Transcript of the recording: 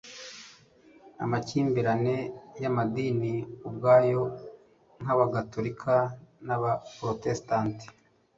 amakimbirane y'amadini ubwayo nk'abagatolika n'abaprotestanti